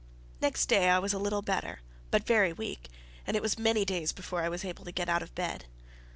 Next day I was a little better, but very weak, and it was many days before I was able to get out of bed.